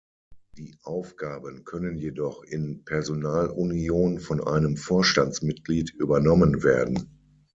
Die Aufgaben können jedoch in Personalunion von einem Vorstandsmitglied übernommen werden.